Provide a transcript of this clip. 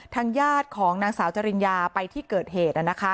ทางญาติของนางสาวจริญญาไปที่เกิดเหตุ